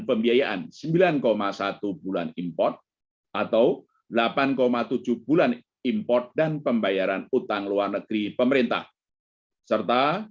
pembiayaan sembilan satu bulan import atau delapan tujuh bulan import dan pembayaran utang luar negeri pemerintah serta